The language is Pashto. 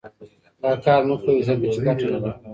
دا کار مه کوئ ځکه چې ګټه نه لري.